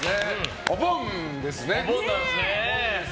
お盆ですね。